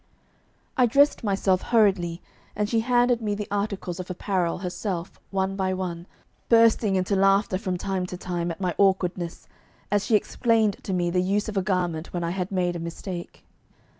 I dressed myself hurriedly, and she handed me the articles of apparel herself one by one, bursting into laughter from time to time at my awkwardness, as she explained to me the use of a garment when I had made a mistake.